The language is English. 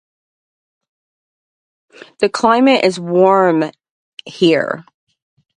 The climate is warm here.